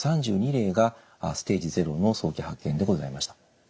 ３２例がステージ０の早期発見でございました。